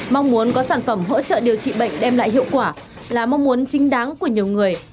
mong muốn có sản phẩm hỗ trợ điều trị bệnh đem lại hiệu quả là mong muốn chính đáng của nhiều người